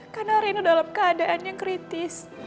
karena reno dalam keadaan yang kritis